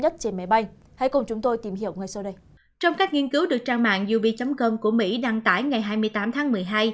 trong các nghiên cứu được trang mạng jube com của mỹ đăng tải ngày hai mươi tám tháng một mươi hai